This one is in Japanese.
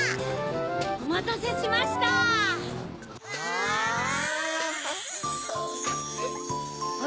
おまたせしました。うわ！